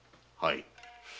はい。